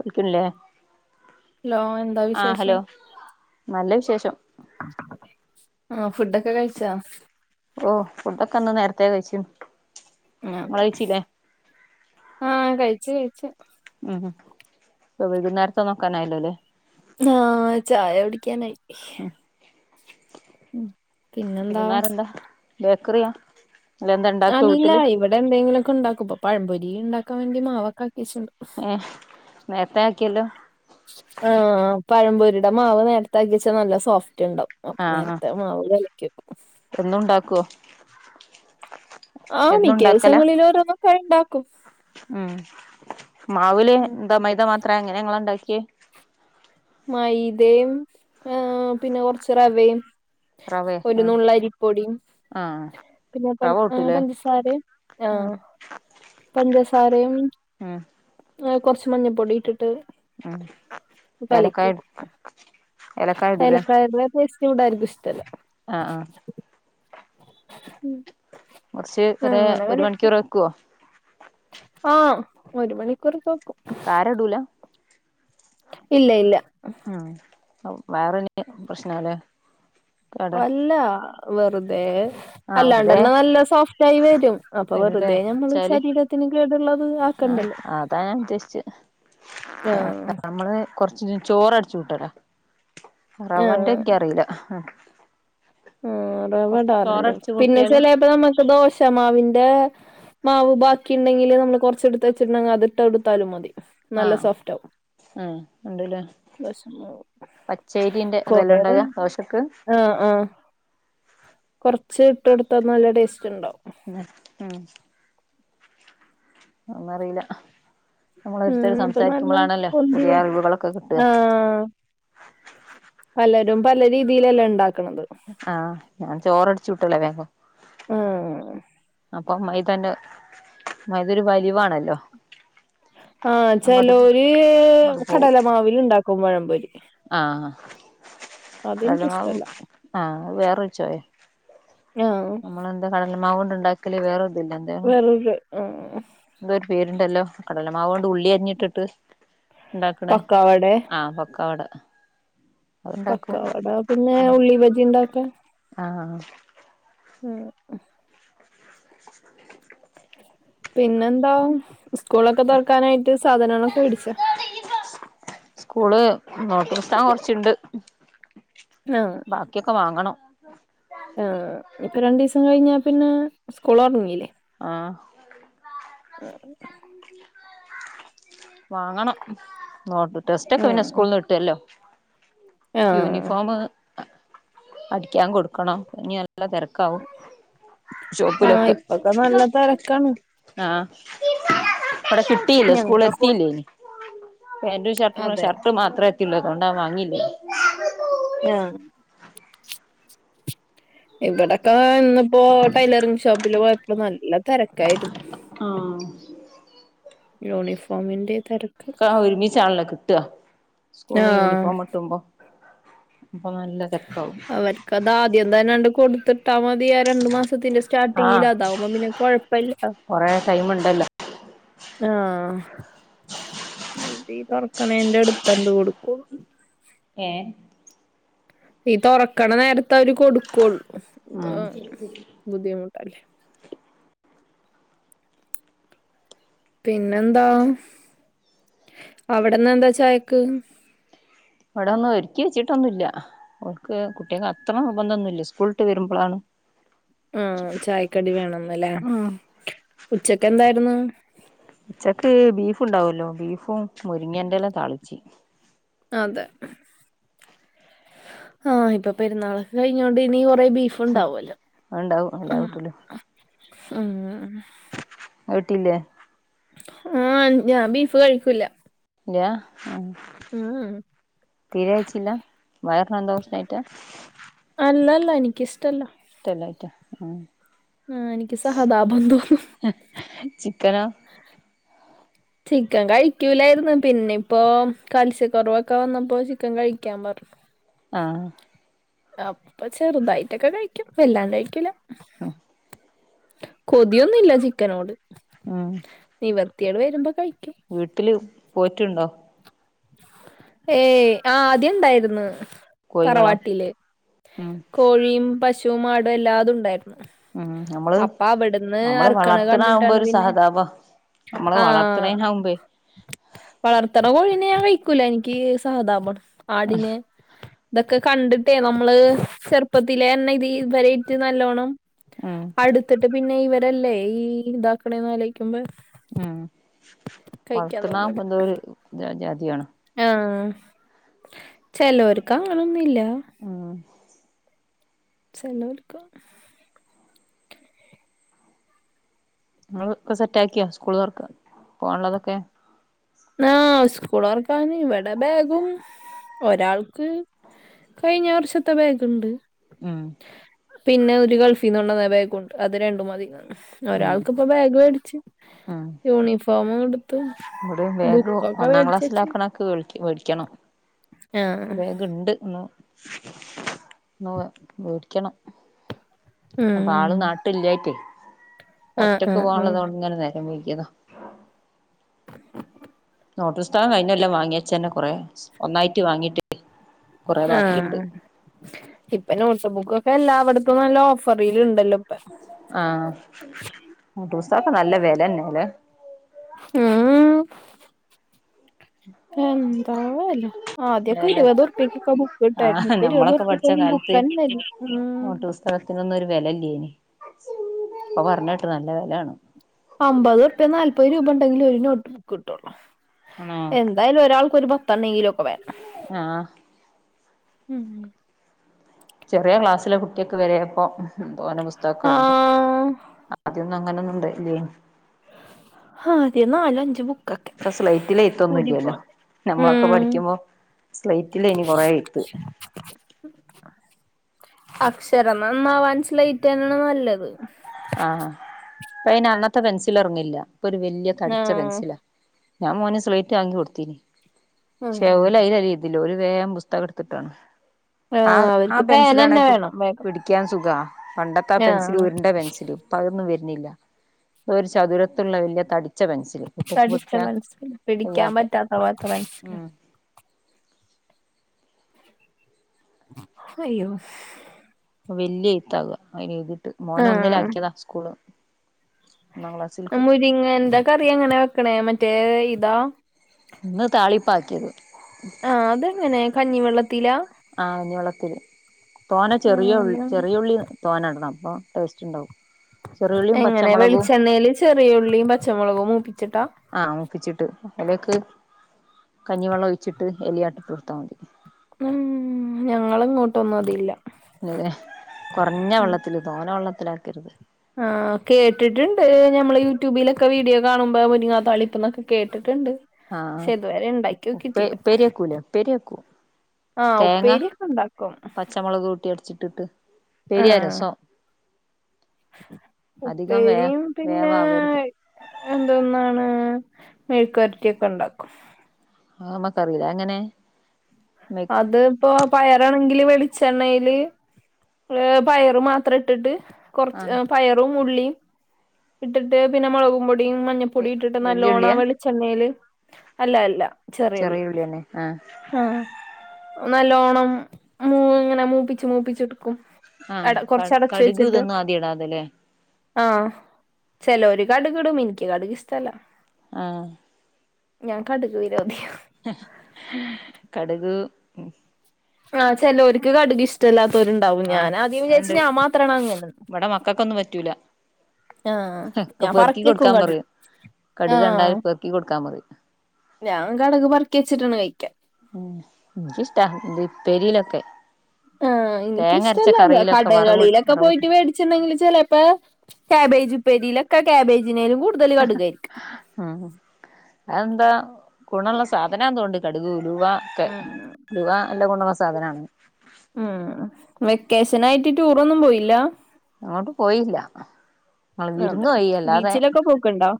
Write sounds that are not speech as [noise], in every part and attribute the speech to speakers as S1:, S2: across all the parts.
S1: കേൾക്ക്ണില്ലേ
S2: ഹലോ എന്താ
S1: ആഹ് ഹലോ
S2: വിശേഷം
S1: നല്ല വിശേഷം
S2: ആഹ് ഫുഡൊക്കെ കഴിച്ചാ
S1: ഓ ഫുഡൊക്കെന്ന് നേരത്തെ കഴിച്
S2: ആഹ് അതെ ആഹ് കഴിച്ച് കഴിച്ച്
S1: ഉം ഉം ഇപ്പൊ വൈകുന്നേരത്തെ നോക്കാനായല്ലോലെ
S2: ആഹ് ചായ കുടിക്കാനായി
S1: ഉം
S2: ഉം പിന്നെന്താ
S1: വൈകുന്നേരെന്താ ബേക്കറിയാ അല്ല എന്താ ഇണ്ടാക്കോ
S2: അല്ല
S1: വീട്ടില്
S2: ഇവിടെ എന്തെങ്കിലോക്കെ ഉണ്ടാക്കുപ്പൊ പഴപൊരി ഇണ്ടാക്കാൻ വേണ്ടി മാവോക്കാകിച്ണ്ട്
S1: ഏഹ് നേര്ത്തെ ആക്കിയല്ലോ
S2: ആഹ് പഴമ്പൊരിടെ മാവ് നേരത്താക്കിവെച്ചാ നല്ല സോഫ്റ്റ്ണ്ടാവും അപ് നേരത്തെ മാവ് കലക്കിയോക്കും
S1: എന്നുണ്ടാക്കോ
S2: ആഹ് മിക്ക ദിവസങ്ങളിലോരോന്നോക്കെ എണ്ടാക്കും
S1: ഉം മാവില്
S2: ഉം,
S1: എന്താ മൈദ മാത്രേ എങ്ങനെങ്ങളണ്ടാക്കിയേ
S2: മൈദേം ഏ പിന്നെ കൊറച്ച് റവേം
S1: റവേ ആഹ്
S2: ഒരുന്നുള്ളരിപ്പൊടിം
S1: ആഹ്
S2: പിന്നെ പ
S1: റവ
S2: ആഹ്
S1: കൂട്ടൂലേ
S2: പഞ്ചസാരയും ആഹ് പഞ്ചസാരയും
S1: ഉം
S2: ഏ കൊറച്ച് മഞ്ഞപ്പൊടിയിട്ടിട്ട്
S1: ആഹ്
S2: കലക്കിവെക്കും
S1: ഏലക്കായ ഇടൂലേ
S2: ഏലക്കായടെ ടേസ്റ്റ് ഇവിടാര്ക്കും ഇഷ്ടല്ല
S1: ആഹ് ആഹ്
S2: ഉം
S1: കൊറച്ച് കൊറേ ഒരു മണിക്കൂർ വക്കുഓ
S2: ആ ഒരു മണിക്കൂർ വക്കും
S1: കാരടൂല
S2: ഇല്ല ഇല്ല
S1: അ വേറെനി പ്രശ്നല്ലേ
S2: അല്ലാ വെറുതെ
S1: ആഹ് വെറുതെ
S2: അല്ലാണ്ടന്നെ നല്ല സോഫ്റ്റ് ആയി വരും അപ്പൊ വെറുതെ നമ്മള് ശരീരത്തിന് കേടുള്ളത് ആ
S1: ആ അതാ ഞാൻ ഉദ്ദേശിച്ചച്ച്
S2: ആഹ്
S1: നമ്മള് കൊറച്ച ചോറടിച്ചു വിട്ടലാ
S2: ആഹ്
S1: റവന്റെ എനിക്ക് അറിയില്ല
S2: ഉം റവ ഇടാറുണ്ട് പിന്നെ
S1: കൂട്ടിയാല്
S2: ചെലപ്പ നമ്മുക്ക് ദോശമാവിന്റെ മാവ് ബാക്കി ഇണ്ടെങ്കില് നമ്മള് കൊറച്ചെടുത്ത് വെച്ചിട്ടുണ്ടെങ്കിൽ അത്ട്ട എടുത്താലും മതി നല്ല സോഫ്റ്റ് ആകും
S1: ആഹ ഉണ്ടല്ലേ പച്ചേരിന്റെ അതെല്ലാം
S2: കൊറേ
S1: ഉണ്ടകാ ദോശക്ക്
S2: ആഹ് ആഹ് കൊറച്ച് ഇട്ട് കൊടുത്താൽ നല്ല ടേസ്റ്റ് ഉണ്ടാവും
S1: ഉ ഉം അതൊന്നറിയില്ല നമ്മളൊത്തർ
S2: ഉം ഇപ്പൊ നല്ല
S1: സംസാരിക്കുമ്പോളാണല്ലോ
S2: പൊന്തി
S1: പുതിയ
S2: വരും
S1: അറിവുകളൊക്കെ കിട്ടാ
S2: ആഹ് പലരും പല രീതിയിലല്ലേ ഇണ്ടാക്കണത്
S1: ആഹ് ഞാൻ ചോറടിച്ചു വിട്ടുള്ളേ വേഗം
S2: ആ
S1: അപ്പൊ മൈതെന്റെ മൈതൊരു വലിവാണല്ലോ
S2: ആഹ
S1: അങ്ങോട്ട്
S2: ചെലോര്
S1: ഇങ്ങോട്ട്
S2: കടലമാവിൽ ഇണ്ടാക്കും പഴംമ്പൊരി
S1: ആ കടലമാവ്
S2: അതെനിക്കിഷ്ടല്ല
S1: ആ വേറൊരു ചൊയാ
S2: ആ
S1: കടമാവോണ്ട് ഇണ്ടാക്കല് വേറെ ഒതില്ല എന്താണ്
S2: വേറൊരു ആഹ്
S1: എന്തോരു പേരുണ്ടല്ലോ കടലമാവോണ്ട് ഉള്ളി അരിഞ്ഞിട്ടിട്ട് ഇണ്ടാക്കണ്
S2: പക്കാവടെ
S1: ആഹ പൊക്കവട
S2: പക്കാവട പിന്നെ ഉള്ളി ഭജി ഉണ്ടാക്ക്
S1: ആഹ്
S2: ആ പിന്നെന്താ സ്കൂളൊക്കെ തുറക്കാനായിട്ട് സാധനങ്ങളൊക്കെ മേടിച്ചാ
S1: സ്കൂള് നോട്ട്പുസ്തകം കൊറച്ച്ണ്ട്
S2: ആ
S1: ഇക്ക്ഒക്കെ വാങ്ങണം
S2: ആ ഇനിപ്പാ രണ്ടീസം കഴിഞ്ഞ പിന്നെ സ്കൂൾ തൊടങ്ങില്ലേ
S1: ആ
S2: ആ
S1: വാങ്ങണം നോട്ട് ടെസ്റ്റൊക്കെ പിന്നെ
S2: ആഹ്
S1: സ്കൂളീന്ന് കിട്ടല്ലോ
S2: ആഹ്
S1: യൂണിഫോംമ് അടിക്കാൻ കൊടുക്കണം ഇനി നല്ല തിരക്ക് ക്കാവും
S2: ആഹ്
S1: ഷോപ്പിലൊക്കെ
S2: ഇപ്പൊക്കെ നല്ല തെരക്കാണ്
S1: ആഹ് വിടെ കിട്ടീല്ല
S2: ഞങ്ങളിപ്പോ
S1: സ്കൂളെത്തീല്ലേനി പാന്റും ഷർട്ടും
S2: അതെ
S1: ഷർട്ട് മാത്രെ ക്കിള്ളെ തോണ്ടാ വാങ്ങീല്ലേനി
S2: ആഹ് ഇവിടൊക്കാ ന്ന്പ്പോ ടൈലറിംഗ് ഷോപ്പില് പോയപ്പോ നല്ല തെരക്കായിതു യൂണിഫോമിന്റെ തെര
S1: ക്കാ ഒരുമിച്ചാണല്ലോ കിട്ട സ്കൂള്ന്ന്
S2: ആഹ്
S1: യൂണിഫോമ്ട്ടുമ്പോ
S2: അവര്ക്കതാദ്യം തന്നാണ്ട് കൊടുത്തിട്ടാ മതി ആ രണ്ട് മാസ് പുത്തിന്റെ
S1: ആഹ്
S2: സ്റ്റാർട്ടിങ്ങില താവുമ്പ പിന്നെ കൊഴപ്പല്ല
S1: കൊറേ ടൈം ഉണ്ടല്ലോ
S2: ആഹ് ഞ്ഞിതി തൊറക്കണേന്റെ ടുത്തണ്ട് കൊടുക്കും
S1: ഏഹ്
S2: ഈ തൊറക്കണ നേരത്തെവര് കൊടുക്കു
S1: ഉം
S2: [unintelligible] ബുദ്ധിമുട്ടല്ലേ പിന്നെന്താ അവിടന്നെന്താ ചായക്ക്?
S1: വടൊന്നു ഒര്ക്കി വെച്ചിട്ടൊന്നുല്ല ഓർക്ക് കുട്ട്യേക്കത്ര നിർബന്ധൊന്നുല്ല സ്കൂൾട്ട് വരുമ്പളാണ്
S2: ആഹ് ചായക്കടി വേണംന്ന്ല്ലേ
S1: ഉം
S2: ഉച്ചക്കെന്തായിരുന്നു?
S1: ഉച്ചക്ക് ബീഫ്ണ്ടാവല്ലോ ബീഫും മുരിങ്ങന്റെല താളിച്ചി
S2: അതെ ആഹ് ഇപ്പപ്പെരുന്നാളൊക്കെ കഴിഞ്ഞോണ്ട്നി കൊറെ ബീഫ് ഉണ്ടാവല്ലോ
S1: അതുണ്ടാവും
S2: ഉ
S1: എല്ലാ വീട്ടിലും
S2: ഉ ഊ
S1: അഅ് വിട്ടില്ലേ
S2: ആഹ് ഞാം ബീഫ് കഴിക്കൂല്ല
S1: ല്യ ആഹ്
S2: ഊ ഉം
S1: തീരേ കയ്ച്ചില്ല വയറിനെന്തോ പ്രശ്നായ്റ്റാ?
S2: അല്ലല്ല എനിക്കിസ്ടല്ല
S1: ടല്ലായ്ട്ട ആഹ്
S2: ആഹ് എനിക്ക് സഹതാപം തോന്നും
S1: ചിക്കനോ?
S2: ചിക്കൻ കഴിക്കൂലായിരുന്നു പിന്നെ ഇപ്പോ കാൽസ്യക്കൊറവൊക്കെ വന്നപ്പോ ചിക്കൻ കഴിക്കാൻ പറഞ്ഞു
S1: ആഹ്
S2: അപ്പ ചെറുതായിട്ടൊക്കെ കഴിക്കും വല്ലാണ്ട് കഴിക്കൂല കൊതിയൊന്നുല്ല ചിക്കനോട്
S1: ആഹ്
S2: നിവർത്തിയേട് വരുമ്പോ കഴിക്കും
S1: വീട്ടില് പോറ്റ്ണ്ടോ?
S2: ഏയ് അ ആദ്യണ്ടായിരുന്നു
S1: കോഴികളോ
S2: തറവാട്ടില്
S1: ഉം
S2: കോഴിയും പശുവും ആടും എല്ലാതുംണ്ടായിരുന്നു
S1: ഉം നമ്മള്
S2: അപ്പവിടുന്ന്
S1: നമ്മള്
S2: അറക്കണ
S1: വളർത്തണാകുമ്പോ
S2: കണ്ടിട്ടാണ്
S1: ഒരു
S2: പിന്നെ
S1: സഹതാപ നമ്മള്
S2: ആഹ്
S1: വളർത്തണേനാവുമ്പേ
S2: വളർത്തണ കോഴിനെ ഞാൻ കഴിക്കൂല എനിക്കീ സഹതാപ ആടിനെ തൊക്കെ കണ്ടിട്ടേ നമ്മള് ചെറുപ്പത്തിലേന്നെ ഇത് ഇവരേറ്റ് നല്ലോണം
S1: ഉം
S2: അടുത്തിട്ട് പിന്നെ ഇവരല്ലേ ഈ ഇതാക്കണേന്നാലോയ്ക്കുമ്പോ
S1: ഉം വളർത്ത്ണാവുമ്പ ന്തോരു ജാ ജാതിയാണ്
S2: ആഹ് ചേലോര്ക്ക്‌ അങ്ങനെ ഒന്നും ഇല്ലാ
S1: ഉം
S2: സെലൊ ഇട്ക്കാ
S1: ഇങ്ങള് ഒക്കെ സെറ്റാക്ക്യാ സ്കൂള് തൊർക്ക പോവാൻള്ളതൊക്കെ
S2: ആഹ് സ്കൂളൊർക്കാന് ഇവടെ ബേഗും ഒരാൾക്ക് കഴിഞ്ഞ വർഷത്തെ ബാഗ്ണ്ട്
S1: ഉം
S2: പിന്നെ ഒരു ഗൾഫീന്നൊട്ന്ന ബേ ബേഗുണ്ട് അത് രണ്ടും മതിന്ന് പറഞ്ഞ്
S1: ഉം
S2: ഒരാൾക്ക്പ്പൊ ബാഗ് വേടിച്ച് യൂണിഫോമും എട്ത്ത്
S1: ഇവിടേം ബേഗ് ഒന്നാം ക്ലാസ്സിലാക്കണാക്ക്‌ വേൾക്ക്‌ വേടിക്കണം ഒരു
S2: ആഹ്
S1: ബേഗ്ണ്ട് ഒന്ന് ന്ന് വേ വേടിക്കണം അപ്പ ആള്
S2: ഉം
S1: നാ ട്ടില്ല്യായ്റ്റേ
S2: ആഹ്
S1: ഒറ്റക്ക്
S2: ആഹ് ആഹ്
S1: പോവാള്ളതോണ്ട് ഇങ്ങനെ നേരം വെയ്കിയതാ നോട്ടുസ്തകം കഴ്ഞ്ഞൊല്ലം വാങ്ങിയെച്ചെന്നെ കൊറേ ഒന്നായിറ്റ് വാങ്ങിയിട്ടേയ്
S2: ആഹ് ഇപ്പ നോട്ട്ബുക്കൊക്കെ എല്ലാവട്ത്തും നല്ല ഓഫറില് ഇണ്ടല്ലോ ഇപ്പെ
S1: ആഹ് നോട്ട്പുസ്‌തകൊക്കെ നല്ല വെലെന്നോലെ
S2: ഉം ഉം എന്താവോല്ലെ ആദ്യൊക്കെ ഇര്
S1: അല്ലെ
S2: വതുർപ്പ്യെക്കൊക്കെ ബുക്ക് കിട്ടായ്രുന്നു
S1: ആഹ്
S2: ഇപ്പൊ
S1: നമ്മളൊക്കെ പഠിച്ച
S2: ഇരുവതുർപ്പ്യെക്കൊന്നും ബുക്കന്നെ ഇല്ല ഉം
S1: സ്ഥലത്തിനൊന്നും ഒരു വെലല്ല്യേയ്നി ഇപ്പ പർഞ്ഞേട്ട് നല്ല വെലേണ്ന്ന്
S2: അമ്പതുർപ്പ്യ നാല്പത് രൂപ ഉണ്ടെങ്കിലേ ഒര് നോട്ട് ബുക്ക് കിട്ടൊള്ളൂ.
S1: ആണോ.
S2: എന്തായാലും ഒരാൾക്ക്‌ ഒരു പത്തെണ്ണെങ്കിലും ഒക്കെ വേണം.
S1: ആഹ്.
S2: ഉം.
S1: ചെറ്യേ ക്ലാസ്സിലെ കുട്ട്യേക്ക്‌ വരേപ്പൊ തോന്നെ പുസ്തകൊക്കെ വേണ്ടെ
S2: ആഹ്
S1: ആദ്യൊന്നും അങ്ങനെ ഒന്നു ഇണ്ടായ്റ്റില്ലേയ്നി.
S2: ആകെ നാലു അഞ്ച് ബുക്കൊക്കെ
S1: ഇപ്പൊ സ്ലൈറ്റില് എഴുത്തൊന്നും ഇല്ലല്ലോ
S2: കൂടിപ്പോയ
S1: നമ്മളൊക്കെ
S2: ഉം
S1: പഠിക്കുമ്പോ സ്ലൈയ്റ്റിലേയ്നി കൊറേ എയ്ത്ത്.
S2: അക്ഷരം നന്നാവാൻ സ്ലെയ്റ്റെന്നേണ് നല്ലത്.
S1: ആഹ് ഇപ്പ അയ്ന് അങ്ങൻത്തെ പെൻസില് എറങ്ങില്ല ഇപ്പൊ ഒരു വെല്ല്യെ തടിച്ച
S2: ആഹ്
S1: പെൻസിലാ. ഞാൻ മോന് സ്ലേറ്റ് വാങ്ങി കൊട്ത്തീനി പക്ഷേ
S2: ആഹ്
S1: ഓലയ്ലല്ല എഴ് ത് ല് ഓല് വേം പുസ്തകം ഇട്ത്തിട്ടാണ്. ആഹ് ആ
S2: അവർക്ക്
S1: പെൻസിലാണെ
S2: പേനന്നെ
S1: പി
S2: വേണം വേഗം
S1: പിടിക്കാൻ സുഖാ പണ്ടത്തെ ആ പെൻസില്
S2: ആഹ്
S1: ഉര്ണ്ട പെൻസ് ഇപ്പതൊന്നും വെര്നില്ല ഇപ്പൊ ഒരു ചതുരത്ത്ള്ളെ വെല്ല്യെ തടിച്ച പെൻസില് കുട്ടിയക്ക്
S2: തടിച്ച
S1: പിടിക്കാൻ
S2: പെൻസ്സില് പിടിക്കാൻ
S1: കഴിയാത്ത
S2: പറ്റാത്ത പോൽത്തെ പെൻസിലാ
S1: ഉം
S2: ഹയ്യോ.
S1: അഹ് വെല്ല്യെ എയ്ത്താവ അയ്ല് എഴ്തിട്ട് മോനെ
S2: ആഹ്
S1: ഒന്നിലാക്ക്യേതാ സ്കൂൾള് ഒന്നാം ക്ലാസിൽക്ക്.
S2: പി ങ്ങ് എന്താകറി എങ്ങനാ വെക്കണേ മറ്റേ ഇതാ.
S1: ഇന്ന് താളിപ്പാ ആക്ക്യേത്.
S2: ആഹ് അതെങ്ങനേ കഞ്ഞിവെള്ളത്തിലാ.
S1: ആഹ് കഞ്ഞിവെള്ളത്തില് തോനെ ചെറിയ ഉൾ
S2: ആഹ്
S1: ചെറിയ ഉള്ളി. തോനെ ഇടണം അപ്പൊ ടേസ്റ്റ് ഇണ്ടാവും.
S2: എങ്ങനെ വെളിച്ചെണ്ണൽ ചെറിയ ഉള്ളിയും പച്ചമൊളകും മൂപ്പിച്ചിട്ടാ.
S1: ആഹ് മുപ്പിച്ചിട്ട് അയ്ലേക്ക് കഞ്ഞിവെള്ളം ഒഴിച്ചിട്ട് എലിയാട്ട് കൊടുത്താൽമതി.
S2: ഉം ഞങ്ങളെ ഇങ്ങോട്ടൊന്നും അതില്ല.
S1: ഇ കൊറഞ്ഞവെള്ളത്തില് തോനെ വെള്ളത്തിലാക്കരുത്.
S2: ആഹ് കേട്ടിട്ടിണ്ട് ഞമ്മള് യൂട്യൂബിലൊക്കെ വീഡിയോ കാണുമ്പോ മുരിങ്ങാത്തളിപ്പന്നൊക്കെ കേട്ടിട്ടിണ്ട്.
S1: ആഹ് ഉപ്പെ ഉപ്പേരിക്കൂല്ലേ ഉപ്പേരിക്കൂം.
S2: ആഹ്
S1: തേങ്ങ
S2: ഉപ്പേരിയൊക്കെ ഇണ്ടാക്കും
S1: പച്ചമുളക് കൂട്ടി അടിച്ചിട്ടിട്ട് ഉപ്പേരിയ രസം. അധികം വേ
S2: ഉപ്പരിയും പിന്നെ.
S1: വേവാവരുത്
S2: എന്തൊന്നാണ് മേഴ്ക്കരറ്റിയൊക്കെണ്ടാക്കും.
S1: ആമ്മക്കറിയിലെങ്ങനെ.
S2: അത് ഇപ്പോ പയറാണെങ്കില് വെളിച്ചെണ്ണയില്. പയറ് മാത്രം ഇട്ടിട്ട്
S1: ആ
S2: കൊറച്ച് പയറും ഉളീം. ഇട്ടിട്ട് പിന്നെ മൊളക്പൊടിം മഞ്ഞ. പൊടിയിട്ടിട്ട്
S1: വല്യ ഉള്ളിയാ
S2: നല്ലോണാവെളിചണ്ണയില് അല്ല അല്ല ചെറിയുള്ളി.
S1: ചെറിയ ഉള്ളി തന്നെ ആ
S2: ആ നല്ലോണം മൂ ഇങ്ങനെ മൂപ്പിച്ച് മൂപ്പിച്ചിട്ട് ഇടുകും.
S1: ആഹ് ക കടുക് ഇതൊന്നും ആദ്യം ഇടാതെല്ലേ.
S2: ആഹ്. ചേലോര് കടുക് ഇടും ഇനിക്ക് കടുക് ഇഷ്ടല്ല.
S1: ആഹ്.
S2: ഞാൻ കടുക് വിരോതിയ.
S1: കടുക്.
S2: ആ ചെലോർക്ക് കടുക് ഇഷ്ടല്ലാത്തോര്. ഉണ്ടാവും
S1: ആഹ്
S2: ഞാനാദ്യം വിചാരിച്ചു
S1: അത്ണ്ട്
S2: ഞാൻ മാത്രണ് അങ്ങനന്ന്.
S1: ഇവിടെ മക്കൾക്കൊന്നും പറ്റൂല
S2: ആഹ ഞാൻ പറക്ക്യക്കും കട്
S1: കട്കണ്ടാൽ പെർക്കികൊടുക്കാൻ പറി
S2: ഞാൻ കടക് പറക്കി വെച്ചിട്ടാണ് കഴിക്ക്യ.
S1: ഉം എനിക്കിഷ്ട ദ്പ്പേരിയിലൊക്കെ.
S2: ആ എനിക്കിഷ്ടല്ലാ
S1: കറിയിലൊക്കെ വറവ്
S2: കടകളിയിലൊക്കെ
S1: വറവിട്ട്
S2: പോയിട്ട് മേടി ച്ചിണ്ടെങ്കില് ചെലെപ്പെ, കേബേജുപ്പേരീലൊക്കെ കേബേജിനേലും കൂ
S1: ആ മ് അഎന്താ ഗുണള്ള സാധനാ തോണ് കടുക് ലുവാ ക്കെ
S2: ഉം
S1: രുവ എല്ലാം കൊണ്ടുവുള്ള സാധനാണ്.
S2: ഉം വെക്കേഷനായിറ്റ് ടൂറൊന്നും പോയില്ല?
S1: എങ്ങോട്ടും പോയീല്ല. ങ്ങൾ
S2: അതെ
S1: വിരുന്ന് പോയി അല്ലാതെ
S2: ബീച്ചിലൊക്കെ പോക്ക്ണ്ടോ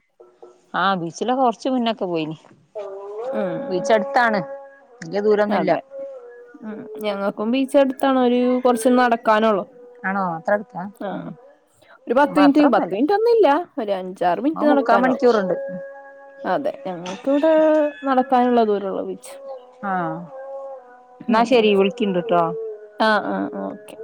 S1: ആഹ ബീച്ചിലൊക്കെം കൊറച്ച് മുന്നൊക്കെ പോയിനി,
S2: ഉം
S1: ബീച്ചടു ത്താണ്. വല്ല്യ ദൂരൊന്നുല്ല.
S2: അതെ ഉം ഞങ്ങക്കും ബീച്ചടുത്താണ്. ഒരു കൊറച്ച് നടക്കാനൊള്ളൂ.
S1: ആണോ അത്ര അടുത്താ?
S2: ഒരു പത്ത് മിനിറ്റ്, പത്ത്
S1: അത്രൊന്നുമല്ല
S2: മിനിറ്റ് ഒന്നുല്ല. ഒരു അഞ്ചാറ്
S1: അത്
S2: മിനിറ്റ്
S1: മുക്കാ
S2: നടക്കാനുള്ളൂ.
S1: മണിക്കൂറുണ്ട്
S2: അതെ, ഞങ്ങക്ക് വിടെ നടക്കാനുള്ള ദൂരൊള്ളൂ ബീച്ച്.
S1: ആഹ് ന്നാ ശരി വിളിക്കിണ്ട്ട്ടോ.
S2: ആഹ ആഹ ആഹ ഓക്കെ.